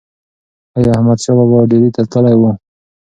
ایا احمدشاه بابا ډیلي ته تللی و؟